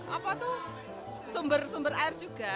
apa tuh sumber sumber air juga